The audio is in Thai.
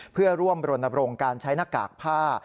เพื่อร่วมรณบรงการใช้หน้ากากผ้า